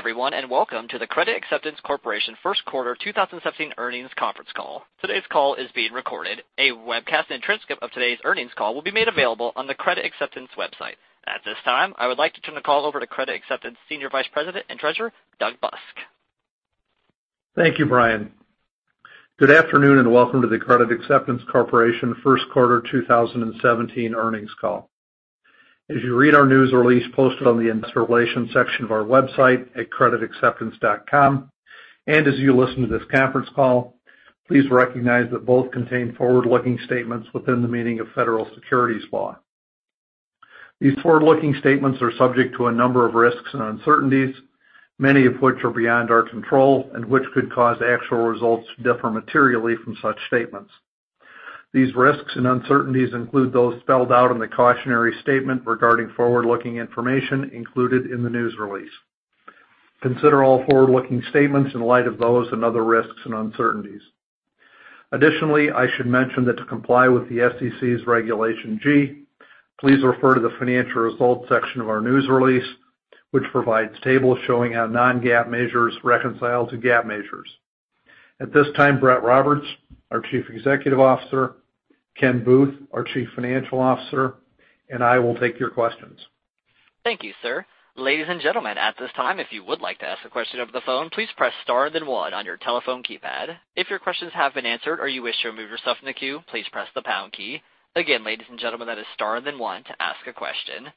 Good day everyone. Welcome to the Credit Acceptance Corporation first quarter 2017 earnings conference call. Today's call is being recorded. A webcast and transcript of today's earnings call will be made available on the Credit Acceptance website. At this time, I would like to turn the call over to Credit Acceptance Senior Vice President and Treasurer, Doug Busk. Thank you, Brian. Good afternoon. Welcome to the Credit Acceptance Corporation first quarter 2017 earnings call. As you read our news release posted on the investor relations section of our website at creditacceptance.com, and as you listen to this conference call, please recognize that both contain forward-looking statements within the meaning of Federal Securities law. These forward-looking statements are subject to a number of risks and uncertainties, many of which are beyond our control and which could cause actual results to differ materially from such statements. These risks and uncertainties include those spelled out in the cautionary statement regarding forward-looking information included in the news release. Consider all forward-looking statements in light of those and other risks and uncertainties. Additionally, I should mention that to comply with the SEC's Regulation G, please refer to the financial results section of our news release, which provides tables showing how non-GAAP measures reconcile to GAAP measures. At this time, Brett Roberts, our Chief Executive Officer, Ken Booth, our Chief Financial Officer, and I will take your questions. Thank you, sir. Ladies and gentlemen, at this time, if you would like to ask a question over the phone, please press star then one on your telephone keypad. If your questions have been answered or you wish to remove yourself from the queue, please press the pound key. Again, ladies and gentlemen, that is star then one to ask a question.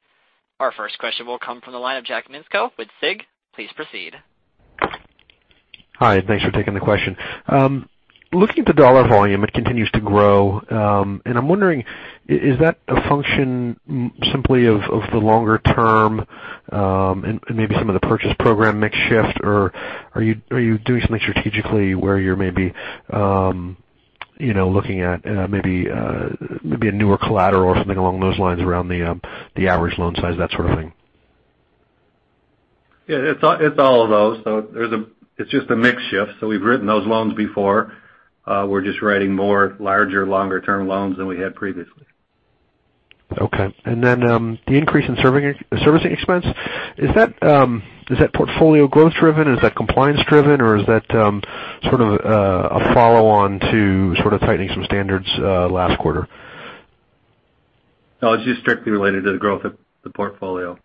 Our first question will come from the line of Jack Micenko with Sig. Please proceed. Hi, thanks for taking the question. Looking at the dollar volume, it continues to grow. I'm wondering, is that a function simply of the longer term, and maybe some of the Purchase Program mix shift, or are you doing something strategically where you're maybe looking at maybe a newer collateral or something along those lines around the average loan size, that sort of thing? Yeah, it's all of those. It's just a mix shift. We've written those loans before. We're just writing more larger, longer-term loans than we had previously. Okay. The increase in servicing expense, is that portfolio growth driven? Is that compliance driven, or is that sort of a follow on to sort of tightening some standards last quarter? No, it's just strictly related to the growth of the portfolio.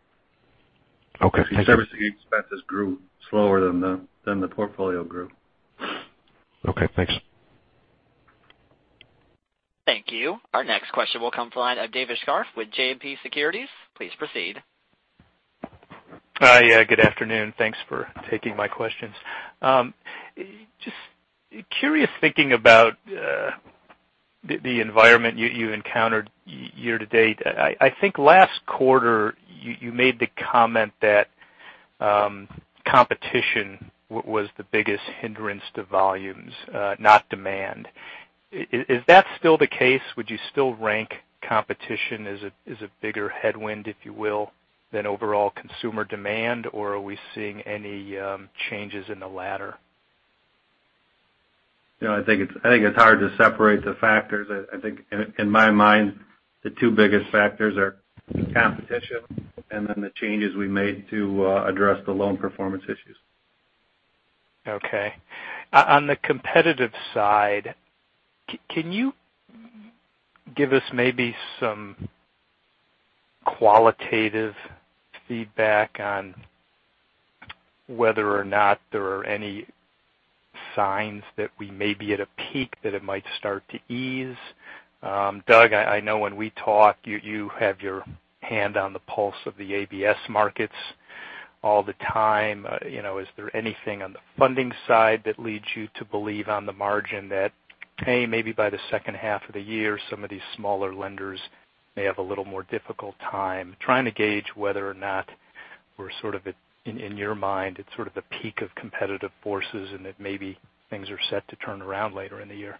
Okay. Thank you. Servicing expenses grew slower than the portfolio grew. Okay, thanks. Thank you. Our next question will come from the line of David Scharf with JMP Securities. Please proceed. Hi. Good afternoon. Thanks for taking my questions. Just curious, thinking about the environment you encountered year to date. I think last quarter you made the comment that competition was the biggest hindrance to volumes, not demand. Is that still the case? Would you still rank competition as a bigger headwind, if you will, than overall consumer demand, or are we seeing any changes in the latter? I think it's hard to separate the factors. I think, in my mind, the two biggest factors are competition and then the changes we made to address the loan performance issues. Okay. On the competitive side, can you give us maybe some qualitative feedback on whether or not there are any signs that we may be at a peak that it might start to ease? Doug, I know when we talk, you have your hand on the pulse of the ABS markets all the time. Is there anything on the funding side that leads you to believe on the margin that, hey, maybe by the second half of the year, some of these smaller lenders may have a little more difficult time trying to gauge whether or not we're sort of at, in your mind, it's sort of the peak of competitive forces and that maybe things are set to turn around later in the year?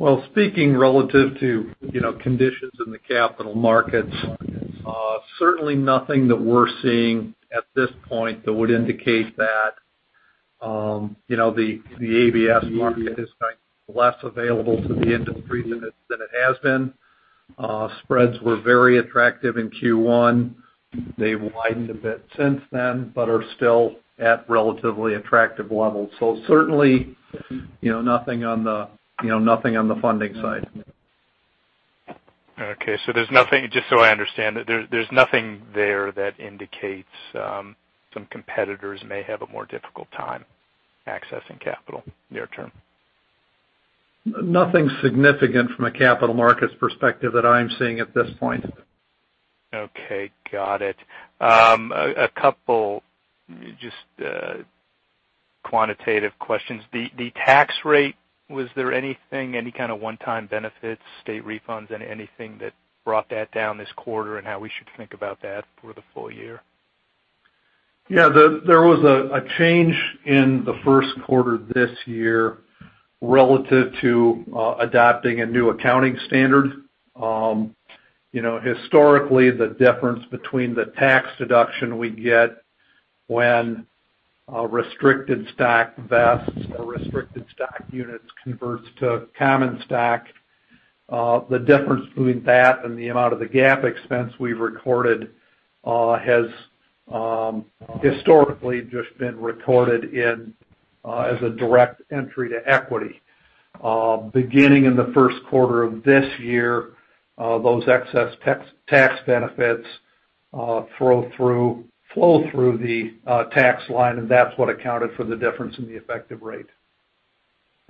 Well, speaking relative to conditions in the capital markets, certainly nothing that we're seeing at this point that would indicate that the ABS market is less available to the industry than it has been. Spreads were very attractive in Q1. They've widened a bit since then, but are still at relatively attractive levels. Certainly, nothing on the funding side. Okay. Just so I understand it, there's nothing there that indicates some competitors may have a more difficult time accessing capital near-term. Nothing significant from a capital markets perspective that I'm seeing at this point. Okay. Got it. A couple just quantitative questions. The tax rate, was there anything, any kind of one-time benefits, state refunds, anything that brought that down this quarter and how we should think about that for the full year? Yeah. There was a change in the first quarter this year relative to adopting a new accounting standard. Historically, the difference between the tax deduction we get when a restricted stock vests or restricted stock units converts to common stock The difference between that and the amount of the GAAP expense we've recorded has historically just been recorded as a direct entry to equity. Beginning in the first quarter of this year, those excess tax benefits flow through the tax line, and that's what accounted for the difference in the effective rate.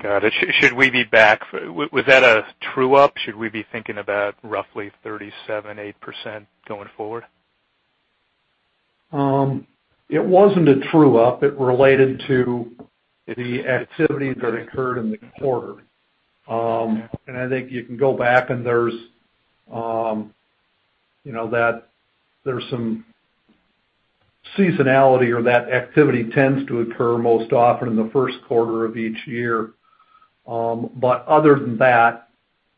Got it. Was that a true-up? Should we be thinking about roughly 37%-38% going forward? It wasn't a true-up. It related to the activities that occurred in the quarter. I think you can go back and there's some seasonality or that activity tends to occur most often in the first quarter of each year. Other than that,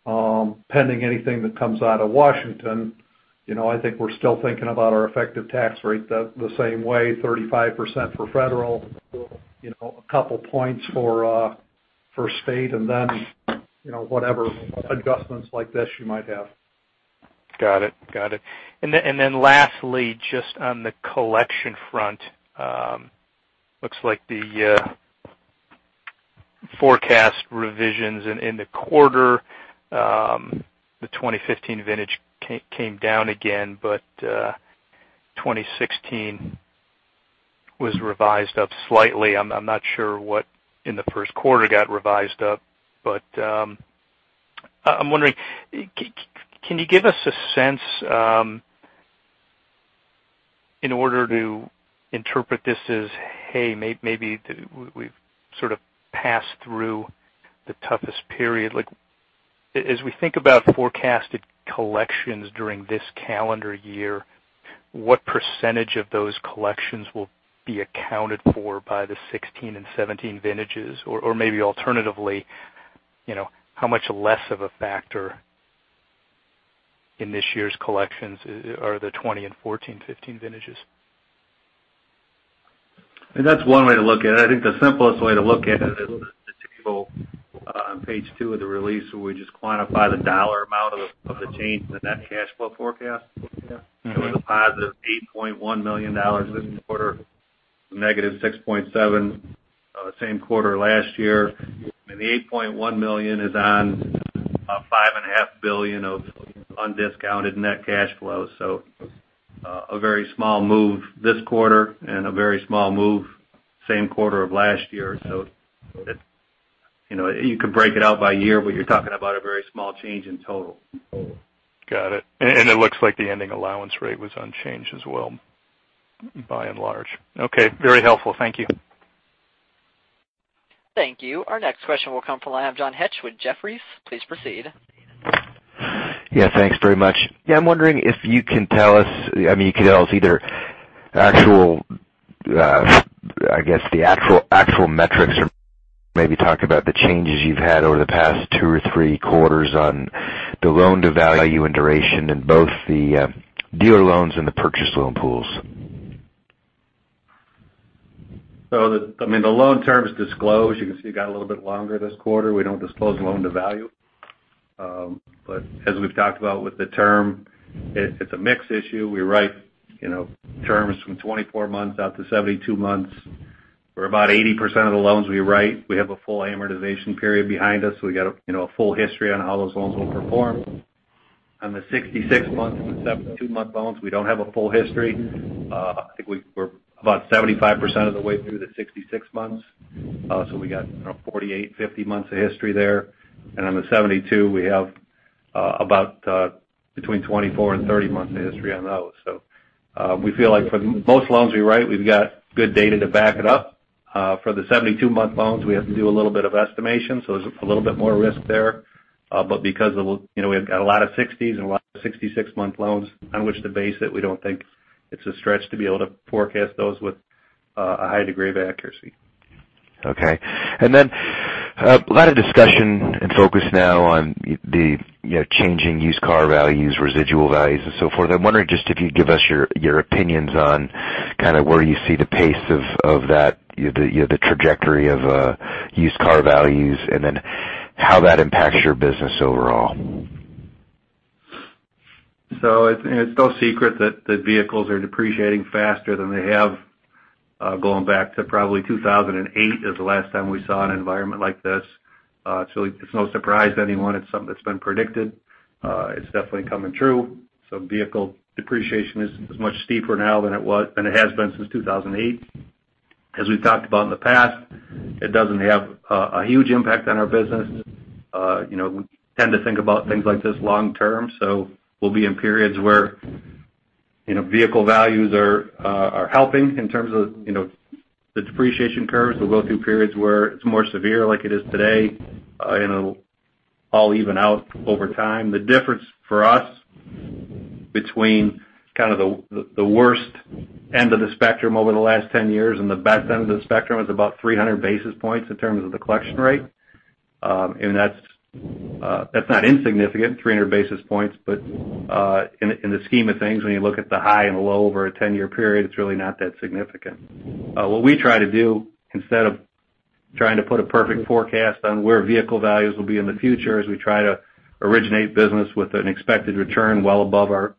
pending anything that comes out of Washington, I think we're still thinking about our effective tax rate the same way, 35% for federal, a couple points for state, and then, whatever adjustments like this you might have. Got it. Lastly, just on the collection front. Looks like the forecast revisions in the quarter. The 2015 vintage came down again, 2016 was revised up slightly. I'm not sure what in the first quarter got revised up, but I'm wondering, can you give us a sense in order to interpret this as maybe we've sort of passed through the toughest period. As we think about forecasted collections during this calendar year, what % of those collections will be accounted for by the 2016 and 2017 vintages? Maybe alternatively, how much less of a factor in this year's collections are the 2020 and 2014, 2015 vintages? That's one way to look at it. I think the simplest way to look at it is the table on page two of the release, where we just quantify the dollar amount of the change in the net cash flow forecast. It was a positive $8.1 million this quarter, negative $6.7 million same quarter last year. The $8.1 million is on a $5.5 billion of undiscounted net cash flow. A very small move this quarter and a very small move same quarter of last year. You could break it out by year, but you're talking about a very small change in total. Got it. It looks like the ending allowance rate was unchanged as well, by and large. Okay. Very helpful. Thank you. Thank you. Our next question will come from the line of John Hecht with Jefferies. Please proceed. Yeah. Thanks very much. Yeah. I'm wondering if you could tell us either the actual metrics or maybe talk about the changes you've had over the past two or three quarters on the loan to value and duration in both the dealer loans and the purchase loan pools. The loan term is disclosed. You can see it got a little bit longer this quarter. We don't disclose loan to value. As we've talked about with the term, it's a mix issue. We write terms from 24 months out to 72 months. For about 80% of the loans we write, we have a full amortization period behind us, so we got a full history on how those loans will perform. On the 66-month and the 72-month loans, we don't have a full history. I think we're about 75% of the way through the 66 months. We got 48, 50 months of history there. On the 72, we have about between 24 and 30 months of history on those. We feel like for most loans we write, we've got good data to back it up. For the 72-month loans, we have to do a little bit of estimation, so there's a little bit more risk there. Because we've got a lot of 60s and a lot of 66-month loans on which to base it, we don't think it's a stretch to be able to forecast those with a high degree of accuracy. Okay. A lot of discussion and focus now on the changing used car values, residual values, and so forth. I'm wondering just if you could give us your opinions on kind of where you see the pace of that, the trajectory of used car values, and then how that impacts your business overall. It's no secret that vehicles are depreciating faster than they have. Going back to probably 2008 is the last time we saw an environment like this. It's no surprise to anyone. It's something that's been predicted. It's definitely coming true. Vehicle depreciation is much steeper now than it has been since 2008. As we've talked about in the past, it doesn't have a huge impact on our business. We tend to think about things like this long term. We'll be in periods where vehicle values are helping in terms of the depreciation curves. We'll go through periods where it's more severe like it is today. It'll all even out over time. The difference for us between kind of the worst end of the spectrum over the last 10 years and the best end of the spectrum is about 300 basis points in terms of the collection rate. That's not insignificant, 300 basis points. In the scheme of things, when you look at the high and the low over a 10-year period, it's really not that significant. What we try to do, instead of trying to put a perfect forecast on where vehicle values will be in the future as we try to originate business with an expected return well above our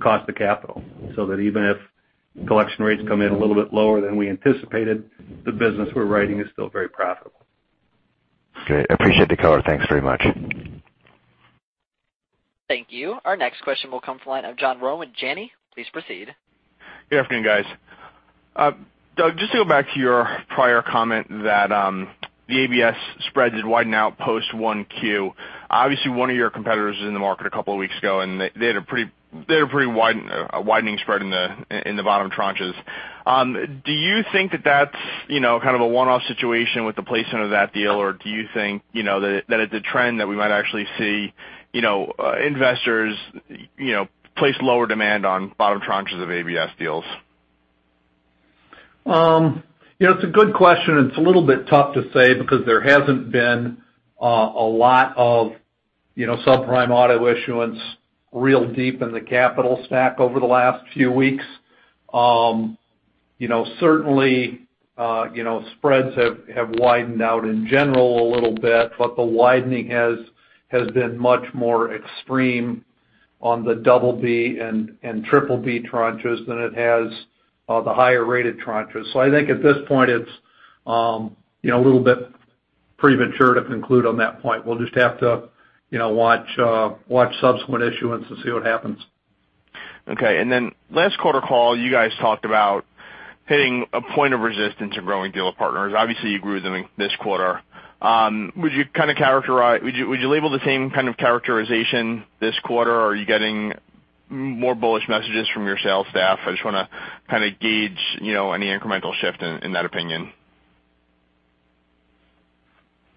cost of capital. That even if collection rates come in a little bit lower than we anticipated, the business we're writing is still very profitable. Okay. I appreciate the color. Thanks very much. Thank you. Our next question will come from the line of John Rowan with Janney. Please proceed. Good afternoon, guys. Doug, just to go back to your prior comment that the ABS spread did widen out post Q1. Obviously, one of your competitors was in the market a couple of weeks ago, they had a pretty widening spread in the bottom tranches. Do you think that that's kind of a one-off situation with the placement of that deal, or do you think that it's a trend that we might actually see investors place lower demand on bottom tranches of ABS deals? It's a good question. It's a little bit tough to say because there hasn't been a lot of subprime auto issuance real deep in the capital stack over the last few weeks. Certainly, spreads have widened out in general a little bit, but the widening has been much more extreme on the double B and triple B tranches than it has the higher-rated tranches. I think at this point it's a little bit premature to conclude on that point. We'll just have to watch subsequent issuance and see what happens. Okay. Last quarter call, you guys talked about hitting a point of resistance in growing dealer partners. Obviously, you grew them in this quarter. Would you label the same kind of characterization this quarter? Are you getting more bullish messages from your sales staff? I just want to kind of gauge any incremental shift in that opinion.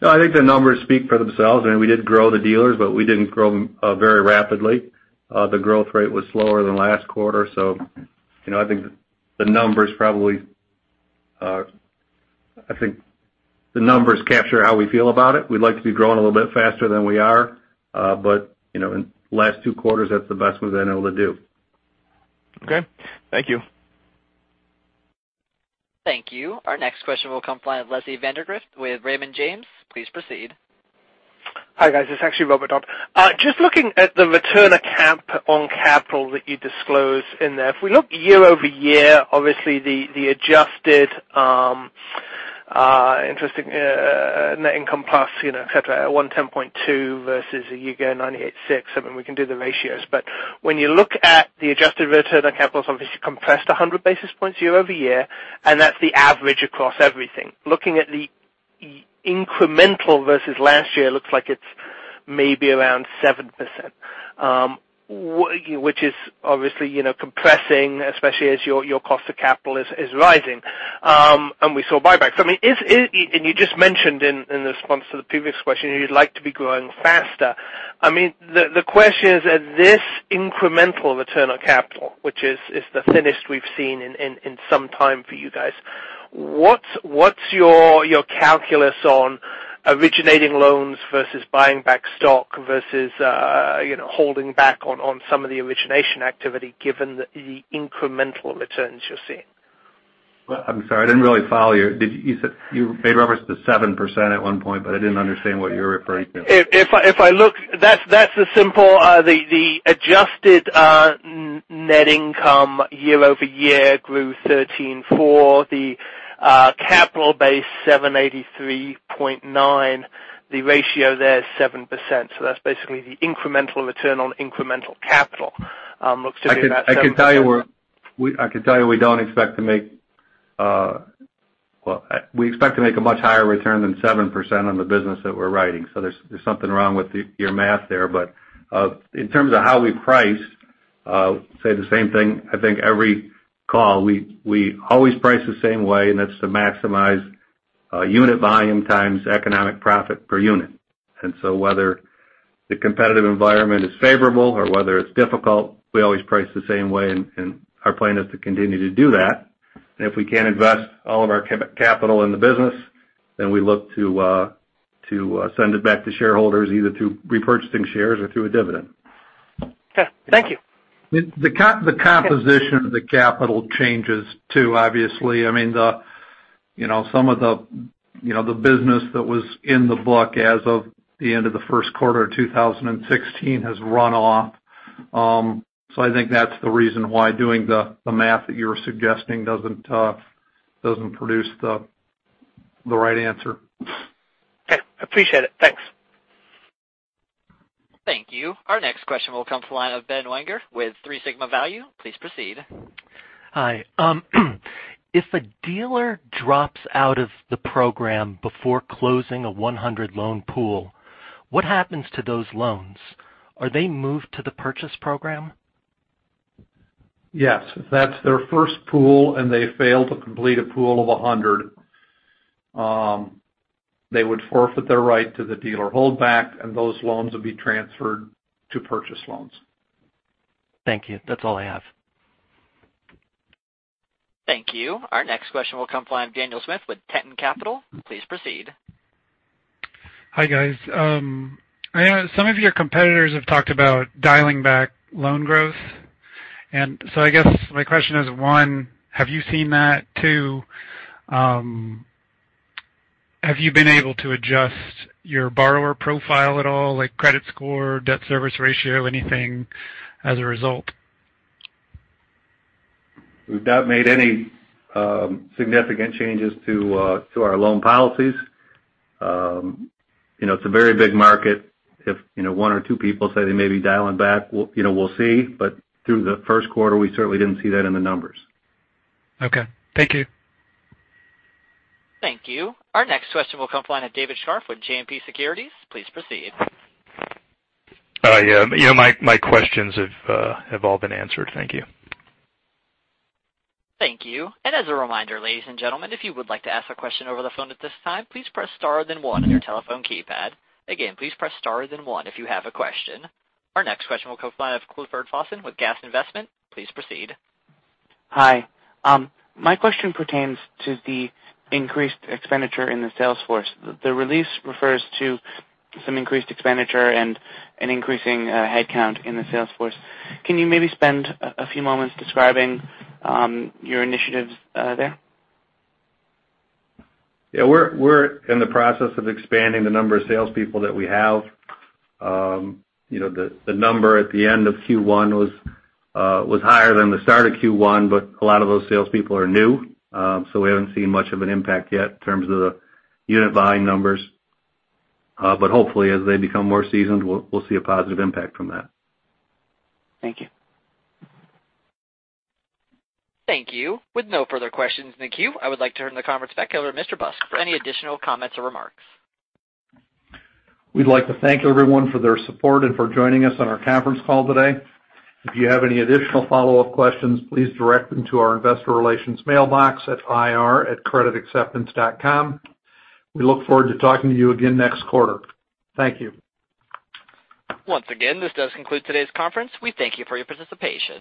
No, I think the numbers speak for themselves. I mean, we did grow the dealers, but we didn't grow them very rapidly. The growth rate was slower than last quarter. I think the numbers capture how we feel about it. We'd like to be growing a little bit faster than we are. In the last two quarters, that's the best we've been able to do. Okay. Thank you. Thank you. Our next question will come the line of Leslie Vandegrift with Raymond James. Please proceed. Hi, guys. It's actually Robert Wildhack. Just looking at the return on capital that you disclose in there. If we look year-over-year, obviously the adjusted net income plus et cetera, $110.2 versus a year ago, $98.6. I mean, we can do the ratios. When you look at the adjusted return on capital, obviously compressed 100 basis points year-over-year, and that's the average across everything. Looking at the incremental versus last year, looks like it's maybe around 7%, which is obviously compressing, especially as your cost of capital is rising. We saw buybacks. You just mentioned in response to the previous question, you'd like to be growing faster. I mean, the question is, at this incremental return on capital, which is the thinnest we've seen in some time for you guys, what's your calculus on originating loans versus buying back stock versus holding back on some of the origination activity given the incremental returns you're seeing? I'm sorry, I didn't really follow you. You made reference to 7% at one point, I didn't understand what you were referring to. Adjusted net income year over year grew 34. The capital base, $783.9. The ratio there is 7%. That's basically the incremental return on incremental capital. Looks to be about 7%. I can tell you we expect to make a much higher return than 7% on the business that we're writing. There's something wrong with your math there. In terms of how we price, say the same thing, I think every call. We always price the same way, and that's to maximize unit volume times economic profit per unit. Whether the competitive environment is favorable or whether it's difficult, we always price the same way, and our plan is to continue to do that. If we can't invest all of our capital in the business, then we look to send it back to shareholders, either through repurchasing shares or through a dividend. Okay. Thank you. The composition of the capital changes too, obviously. I mean, some of the business that was in the book as of the end of the first quarter of 2016 has run off. I think that's the reason why doing the math that you were suggesting doesn't produce the right answer. Okay. Appreciate it. Thanks. Thank you. Our next question will come from the line of Ben Wanger with Three Sigma Value. Please proceed. Hi. If a dealer drops out of the program before closing a 100-loan pool, what happens to those loans? Are they moved to the Purchase Program? Yes. If that's their first pool and they fail to complete a pool of 100, they would forfeit their right to the dealer holdback, and those loans would be transferred to Purchase loans. Thank you. That's all I have. Thank you. Our next question will come the line of Daniel Smith with Tennant Capital. Please proceed. Hi, guys. I know some of your competitors have talked about dialing back loan growth. So I guess my question is, one, have you seen that? Two, have you been able to adjust your borrower profile at all, like credit score, debt service ratio, anything as a result? We've not made any significant changes to our loan policies. It's a very big market. If one or two people say they may be dialing back, we'll see. Through the first quarter, we certainly didn't see that in the numbers. Okay. Thank you. Thank you. Our next question will come from the line of David Scharf with JMP Securities. Please proceed. Yeah. My questions have all been answered. Thank you. Thank you. As a reminder, ladies and gentlemen, if you would like to ask a question over the phone at this time, please press star then one on your telephone keypad. Again, please press star then one if you have a question. Our next question will come from the line of Clifford Fownes with Gas Investment. Please proceed. Hi. My question pertains to the increased expenditure in the sales force. The release refers to some increased expenditure and an increasing headcount in the sales force. Can you maybe spend a few moments describing your initiatives there? Yeah. We're in the process of expanding the number of salespeople that we have. The number at the end of Q1 was higher than the start of Q1, a lot of those salespeople are new. We haven't seen much of an impact yet in terms of the unit volume numbers. Hopefully, as they become more seasoned, we'll see a positive impact from that. Thank you. Thank you. With no further questions in the queue, I would like to turn the conference back over to Mr. Busk for any additional comments or remarks. We'd like to thank everyone for their support and for joining us on our conference call today. If you have any additional follow-up questions, please direct them to our investor relations mailbox at ir@creditacceptance.com. We look forward to talking to you again next quarter. Thank you. Once again, this does conclude today's conference. We thank you for your participation.